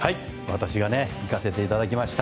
私が行かせていただきました。